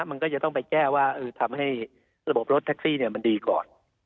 มันก็จะต้องไปแก้ว่าทำให้ระบบรถแท็กซี่มันดีก่อน